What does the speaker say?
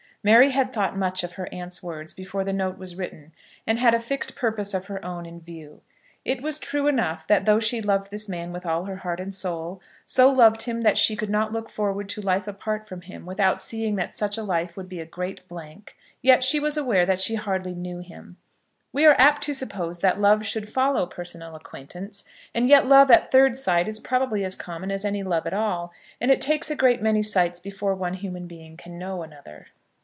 Mary had thought much of her aunt's words before the note was written, and had a fixed purpose of her own in view. It was true enough that though she loved this man with all her heart and soul, so loved him that she could not look forward to life apart from him without seeing that such life would be a great blank, yet she was aware that she hardly knew him. We are apt to suppose that love should follow personal acquaintance; and yet love at third sight is probably as common as any love at all, and it takes a great many sights before one human being can know another.